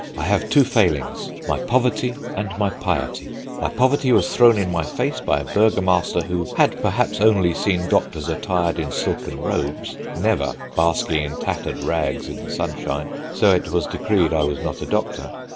I have two failings: my poverty and my piety. My poverty was thrown in my face by a Burgomaster who had perhaps only seen doctors attired in silken robes, never basking in tattered rags in the sunshine. So it was decreed I was not a doctor.